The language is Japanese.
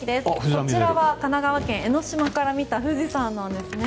こちらは神奈川県・江の島から見た富士山なんですね。